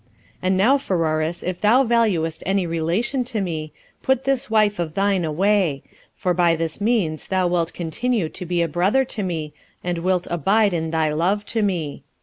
And now, Pheroras, if thou valuest thy relation to me, put this wife of thine away; for by this means thou wilt continue to be a brother to me, and wilt abide in thy love to me."